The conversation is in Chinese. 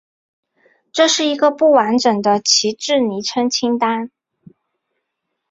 这是一个不完整的旗帜昵称清单。